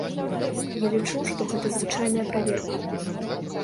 Я лічу, што гэта звычайная праверка.